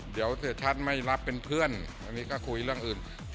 เดี๋ยวเสียชัดไม่รับเป็นเพื่อนอันนี้ก็คุยเรื่องอื่น